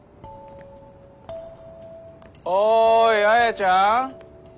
おい亜弥ちゃん。